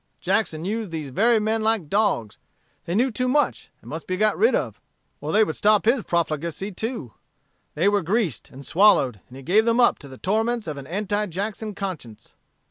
Jackson used these very men like dogs: they knew too much, and must be got rid off, or they would stop his profligacy too. They were greased and swallowed: and he gave them up to the torments of an anti Jackson conscience.